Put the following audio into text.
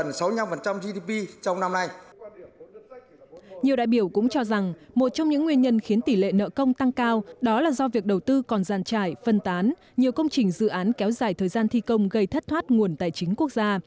nhiều đại biểu cũng cho rằng một trong những nguyên nhân khiến tỷ lệ nợ công tăng cao đó là do việc đầu tư còn gian trải phân tán nhiều công trình dự án kéo dài thời gian thi công gây thất thoát nguồn tài chính quốc gia